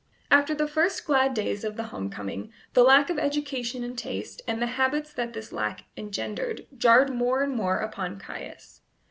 After the first glad days of the home coming, the lack of education and taste, and the habits that this lack engendered, jarred more and more upon Caius.